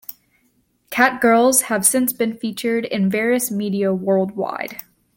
Cat-girls have since been featured in various media worldwide.